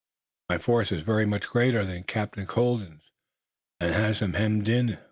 My force is very much greater than Captain Colden's, and has him hemmed in.